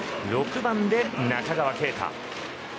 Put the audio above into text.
６番で中川圭太。